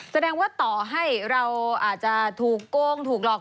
แสดงว่าต่อให้เราอาจจะถูกโกงถูกหลอก